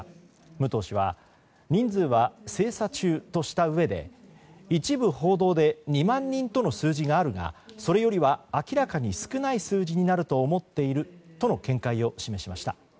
武藤氏は人数は精査中としたうえで一部報道で２万人との数字があるがそれよりは明らかに少ない数字になると思っているとの見解を示しました。